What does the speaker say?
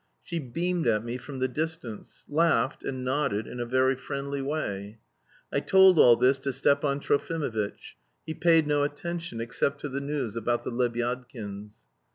She beamed at me from the distance, laughed, and nodded in a very friendly way. I told all this to Stepan Trofimovitch; he paid no attention, except to the news about the Lebyadkins.